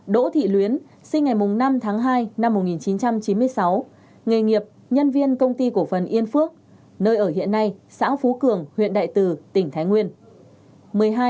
một mươi một đỗ thị luyến sinh ngày năm tháng hai năm một nghìn chín trăm chín mươi sáu nghề nghiệp nhân viên công ty cổ phần yên phước nơi ở hiện nay xã phú cường huyện đại từ tp hcm